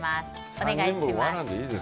お願いします。